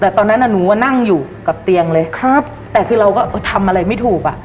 แต่ตอนนั้นอ่ะหนูว่านั่งอยู่กับเตียงเลยครับแต่คือเราก็เออทำอะไรไม่ถูกอ่ะ